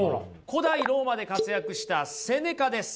古代ローマで活躍したセネカです。